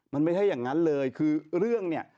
มันไม่ใช่อย่างนั้นเลยคือเรื่องเนี่ย